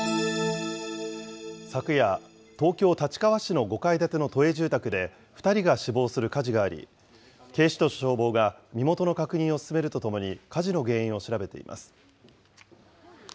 昨夜、東京・立川市の５階建ての都営住宅で２人が死亡する火事があり、警視庁と消防が身元の確認を進めるとともに、火事の原因を調べています。